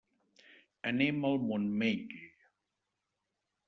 Anem al Montmell.